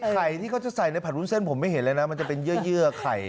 ไข่ที่เขาจะใส่ในผัดวุ้นเส้นผมไม่เห็นเลยนะมันจะเป็นเยื่อไข่